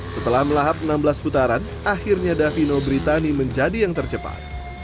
setelah melahap enam belas putaran akhirnya davino britani menjadi yang tercepat